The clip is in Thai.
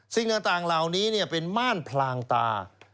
สิ่งต่างเหล่านี้เป็นม่านพลางตา